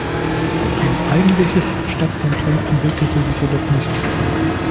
Ein eigentliches Stadtzentrum entwickelte sich jedoch nicht.